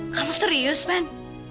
kamu serius pan